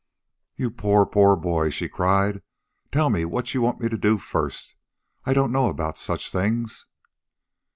"You poor, poor boy," she cried. "Tell me what you want me to do first. I don't know about such things."